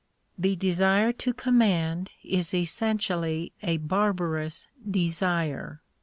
The desire to command is essentially a barbarous desire.